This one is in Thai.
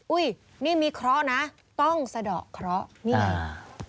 อุ้ยนี่มีเคราะห์นะต้องสะดอกเคราะห์นี่ไง